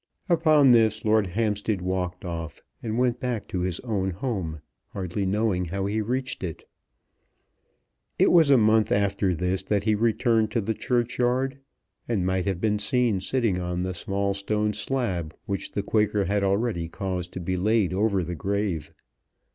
Upon this Lord Hampstead walked off, and went back to his own home, hardly knowing how he reached it. It was a month after this that he returned to the churchyard, and might have been seen sitting on the small stone slab which the Quaker had already caused to be laid over the grave.